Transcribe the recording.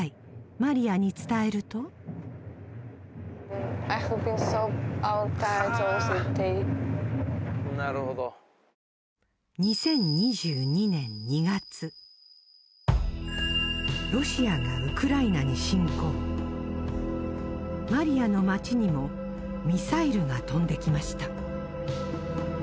マリアに伝えるとマリアの街にもミサイルが飛んできました